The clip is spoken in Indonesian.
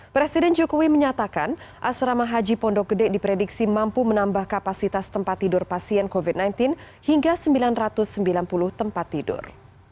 presiden jokowi menyatakan asrama haji pondok gede diprediksi mampu menambah kapasitas tempat tidur pasien covid sembilan belas hingga sembilan ratus sembilan puluh tempat tidur